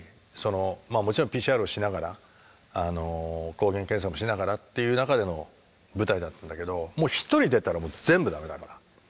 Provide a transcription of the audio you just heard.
まあもちろんＰＣＲをしながら抗原検査もしながらっていう中での舞台だったんだけどもう１人出たら全部駄目だから。